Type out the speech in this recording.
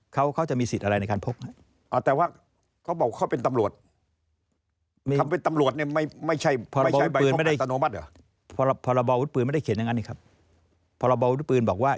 พรพชไม่ได้เขียนดังนั้นเองพรพชบอกว่า